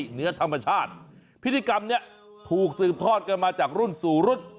เหนือธรรมชาติพิธีกรรมเนี้ยถูกสืบทอดกันมาจากรุ่นสู่รุ่น